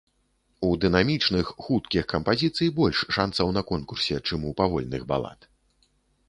У дынамічных, хуткіх кампазіцый больш шанцаў на конкурсе, чым у павольных балад.